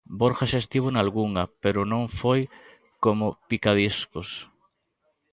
Borja xa estivo nalgunha, pero non foi como picadiscos.